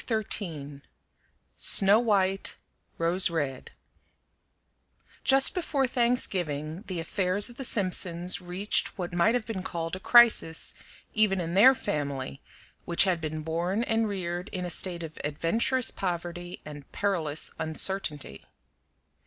XIII SNOW WHITE; ROSE RED Just before Thanksgiving the affairs of the Simpsons reached what might have been called a crisis, even in their family, which had been born and reared in a state of adventurous poverty and perilous uncertainty.